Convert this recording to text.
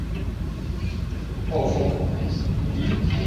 厚丰郑氏大厝的历史年代为清。